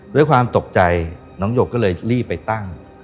ด้วยความตกใจน้องหยกก็เลยรีบไปตั้ง